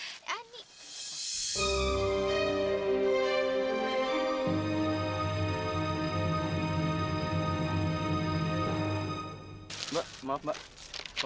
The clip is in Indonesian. aduh majalahnya masih kejatuh